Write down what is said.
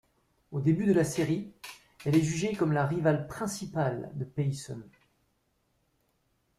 Au début de la série, elle est jugée comme la rivale principale de Payson.